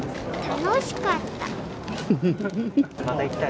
楽しかった。